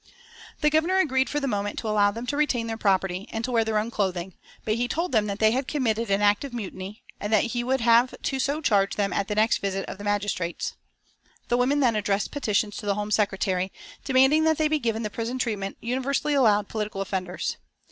The Governor agreed for the moment to allow them to retain their property and to wear their own clothing, but he told them that they had committed an act of mutiny and that he would have to so charge them at the next visit of the magistrates. The women then addressed petitions to the Home Secretary, demanding that they be given the prison treatment universally allowed political offenders.